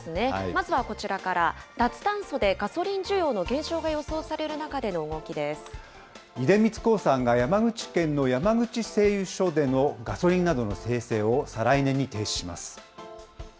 まずはこちらから、脱炭素でガソリン需要の減少が予想される中で出光興産が、山口県の山口製油所でのガソリンなどの精製を再来年に停止します。